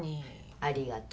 ありがとう。